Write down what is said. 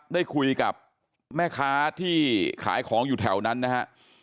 ได้คุยกับแม่ค้าที่ขายของอยู่แถวนั้นนะฮะ